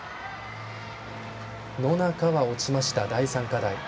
野中は落ちました、第３課題。